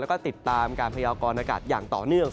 แล้วก็ติดตามการพยากรณากาศอย่างต่อเนื่อง